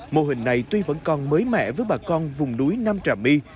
mô hình này tuy vẫn còn mới mẻ với bà con vùng núi nam trà my